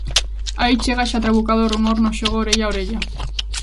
Aí chega xa trabucado o rumor no xogo orella a orella.